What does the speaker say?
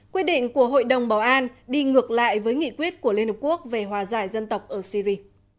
quyết định của hội đồng bảo an đi ngược lại với nghị quyết của liên hợp quốc về hòa giải dân tộc ở syri